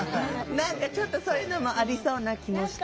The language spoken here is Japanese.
何かそういうのもありそうな気もした。